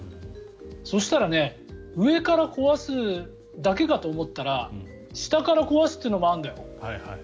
そうしたら上から壊すだけかと思ったら下から壊すというのもあるんだよ。